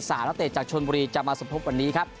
นักเตะจากชนบุรีจะมาสมทบวันนี้ครับ